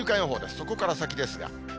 そこから先ですが。